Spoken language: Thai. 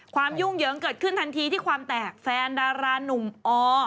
ยุ่งเหยิงเกิดขึ้นทันทีที่ความแตกแฟนดารานุ่มอ